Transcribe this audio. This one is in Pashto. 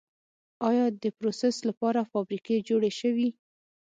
آیا دپروسس لپاره فابریکې جوړې شوي؟